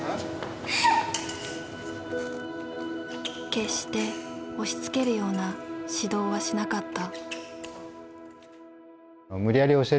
決して押しつけるような指導はしなかった。